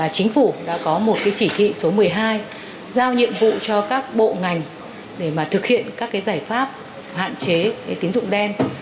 chính phủ đã có một chỉ thị số một mươi hai giao nhiệm vụ cho các bộ ngành để mà thực hiện các giải pháp hạn chế tín dụng đen